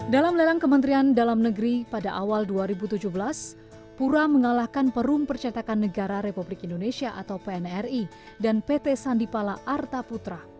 dalam lelang kementerian dalam negeri pada awal dua ribu tujuh belas pura mengalahkan perum percetakan negara republik indonesia atau pnri dan pt sandipala arta putra